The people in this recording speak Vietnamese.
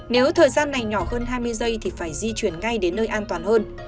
nếu thời gian này nhỏ hơn hai mươi giây thì phải di chuyển ngay đến nơi an toàn hơn